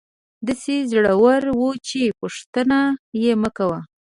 داسې زړوره وه چې پوښتنه یې مکوه.